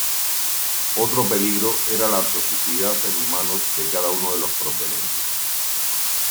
Otro peligro era la toxicidad en humanos de cada uno de los propelentes.